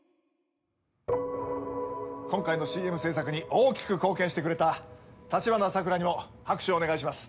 今回のＣＭ制作に大きく貢献してくれた立花さくらにも拍手をお願いします。